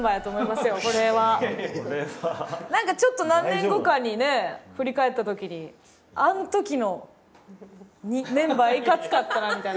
何かちょっと何年後かにね振り返った時にあん時のメンバーいかつかったなみたいな。